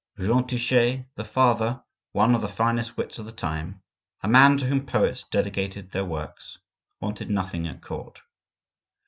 Jean Touchet, the father, one of the finest wits of the time, a man to whom poets dedicated their works, wanted nothing at court.